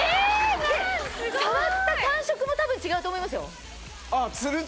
触った感触も多分違うと思いますよ。